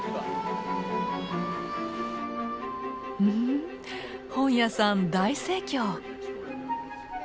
うん本屋さん大盛況。